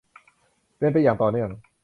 เป็นไปอย่างต่อเนื่อง